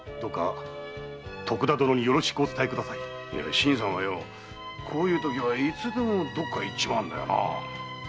新さんはこんなときはいつでもどこかへ行っちまうんだよな。